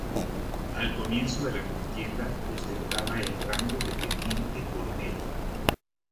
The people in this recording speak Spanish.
Al comienzo de la contienda ostentaba el rango de Teniente coronel.